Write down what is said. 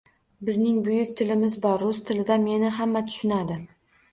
Bizning buyuk tilimiz bor. Rus tilida meni hamma tushunadi.